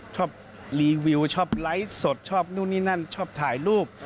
ชอบรีวิวชอบไลฟ์สดชอบนู่นนี่นั่นชอบถ่ายรูป